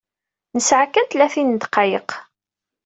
Nesɛa kan tlatin n ddqayeq.